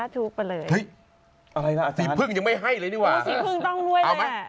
ถูกไปเลยอะไรนะอาจารย์สีพึ่งยังไม่ให้เลยนี่วะสีพึ่งต้องรวยเลย